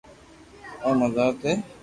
او مزار تي